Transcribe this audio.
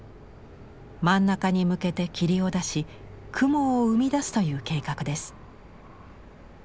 真ん中に向けて霧を出し雲を生み出すという計画です。